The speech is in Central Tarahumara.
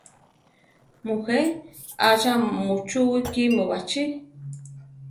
Mujé; achá muchúwi kímu baʼchí?